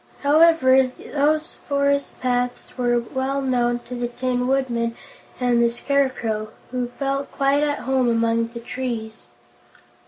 However, these forest paths were well known to the Tin Man and the Scarecrow, who felt quite at home among the trees.